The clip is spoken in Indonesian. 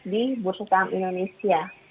di bursa saham indonesia